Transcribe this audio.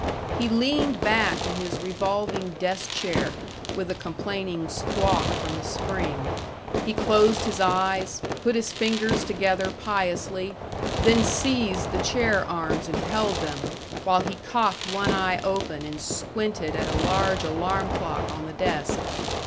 He leaned back in his revolving desk chair with a complaining squawk from the spring, he closed his eyes, put his fingers together piously, then seized the chair arms and held them, while he cocked one eye open and squinted at a large alarm clock on the desk.